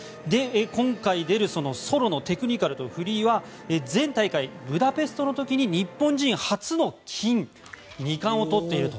今回出るソロのテクニカルとフリーは前大会、ブダペストの時に日本人初の金２冠を取っていると。